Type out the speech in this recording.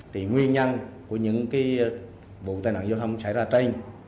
tại nguyên nhân của những vụ tai nạn vô thông xảy ra trên